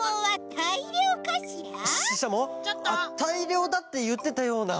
たいりょうだっていってたような。